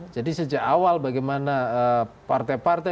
jadi sejak awal bagaimana partai partai